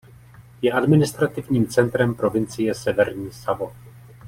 Je administrativním centrem provincie Severní Savo.